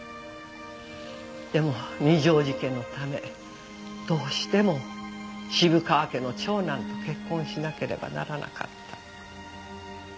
でも二条路家のためどうしても渋川家の長男と結婚しなければならなかった。